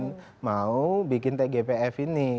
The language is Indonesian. kami tidak mau bikin tgpf ini